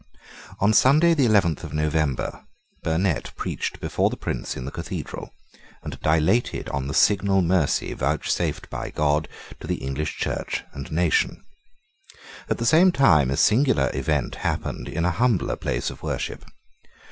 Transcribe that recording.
On Sunday, the eleventh of November, Burnet preached before the Prince in the Cathedral, and dilated on the signal mercy vouchsafed by God to the English Church and nation. At the same time a singular event happened in a humbler place of worship.